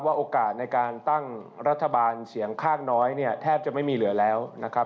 โอกาสในการตั้งรัฐบาลเสียงข้างน้อยเนี่ยแทบจะไม่มีเหลือแล้วนะครับ